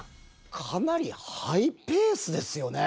かなりハイペースですよね。